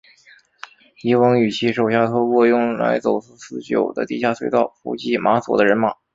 狄翁与其手下透过用来走私私酒的地下隧道伏击马索的人马。